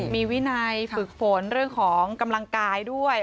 มีวินัยฝึกฝนเรื่องของกำลังกายด้วย